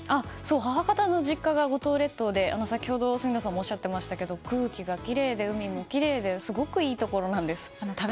母方の実家が五島列島で先ほど杉野さんもおっしゃってましたけど空気もきれいで海もきれいですごくいいところなんです。